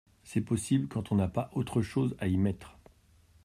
C’est possible… quand on n’a pas autre chose à y mettre…